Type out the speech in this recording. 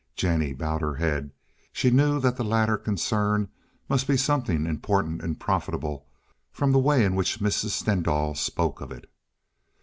Jennie bowed her head. She knew that the latter concern must be something important and profitable from the way in which Mrs. Stendahl spoke of it.